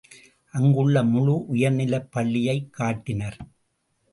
அங்குள்ள முழு உயர்நிலைப்பள்ளியைக் காட்டினர்.